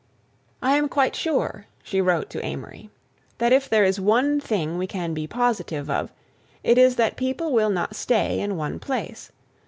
"I am quite sure," she wrote to Amory, "that if there is one thing we can be positive of, it is that people will not stay in one place.